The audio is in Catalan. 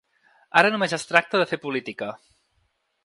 Ara només es tracta de fer política.